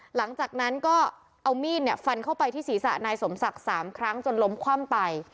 หลังจากนั้นก็เอามีดฟันเข้าไปที่ศีรษะนายสมศักดิ์๓ครั้งจนล้มคว่ำไป